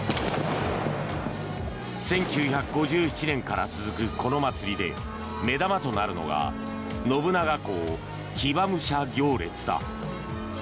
１９５７年から続くこの祭りで目玉となるのが信長公騎馬武者行列だ。